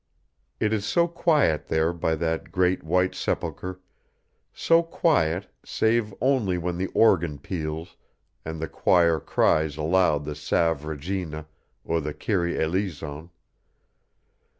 It is so quiet there by that great white sepulchre so quiet, save only when the organ peals and the choir cries aloud the Salve Regina or the Kyrie Eleison.